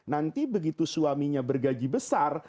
nanti begitu suaminya bergaji besar